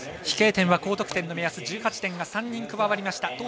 飛型点は高得点の目安１８点が３人加わりました。